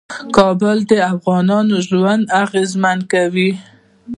کابل د افغانانو ژوند اغېزمن کوي.